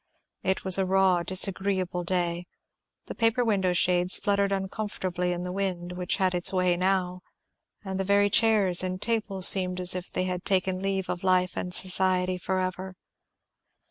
It was a raw disagreeable day, the paper window shades fluttered uncomfortably in the wind, which had its way now; and the very chairs and tables seemed as if they had taken leave of life and society for ever.